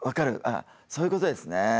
そういうことですね。